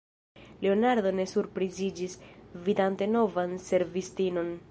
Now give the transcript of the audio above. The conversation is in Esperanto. Leonardo ne surpriziĝis, vidante novan servistinon.